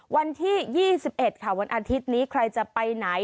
วันที่๒๑ค่ะวันอาทิตย์นี้ใครจะไปไหน